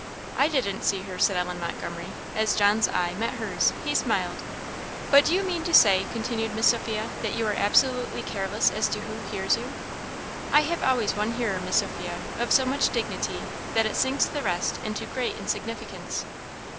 "I didn't see her," said Ellen Montgomery, as John's eye met hers. He smiled. "But do you mean to say," continued Miss Sophia, "that you are absolutely careless as to who hears you?" "I have always one hearer, Miss Sophia, of so much dignity, that it sinks the rest into great insignificance."